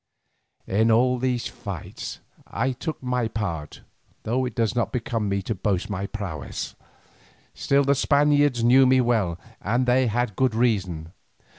In all these fights I took my part, though it does not become me to boast my prowess. Still the Spaniards knew me well and they had good reason.